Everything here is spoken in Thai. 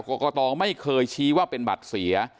กรกตไม่เคยชี้ว่าเป็นบัตรเสีย